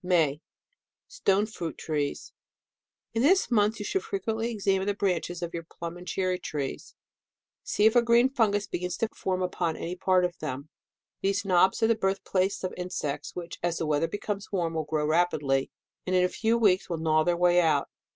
MAY. Stone fruit trees. — In this month you should frequently examine the branches, of your plum and cherry trees. See if a green fungus begins to form upon any part of them. These knobs are the birth place of insects, which, as the weather becomes warm, will grow rapidly, and in a few weeks gnaw their way out.